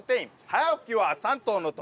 早起きは三頭の得。